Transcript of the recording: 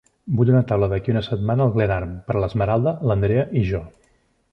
Vull una taula d'aquí a una setmana al Glen Arm per a l'Esmeralda, l'Andrea i jo.